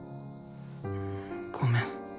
ごめん。